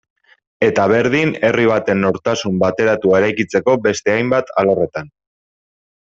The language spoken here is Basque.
Eta berdin herri baten nortasun bateratua eraikitzeko beste hainbat alorretan.